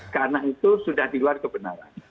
karena itu sudah di luar kebenaran